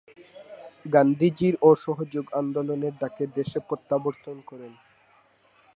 গান্ধীজির অসহযোগ আন্দোলনের ডাকে দেশে প্রত্যাবর্তন করেন।